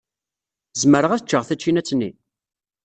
Zemreɣ ad ččeɣ tačinat-nni?